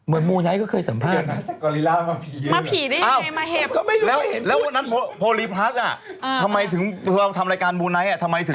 แล้ววันนั้นโพรีพลาสอ่ะทำไมถึงทำรายการมูลไนท์อ่ะทำไมถึง